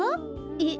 えっ？